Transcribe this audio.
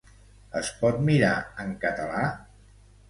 Es pot mirar en català?